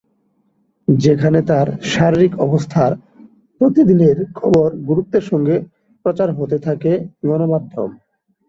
সেখানে তাঁর শারীরিক অবস্থার প্রতিদিনের খবর গুরুত্বের সঙ্গে প্রচার হতে থাকে গণমাধ্যম।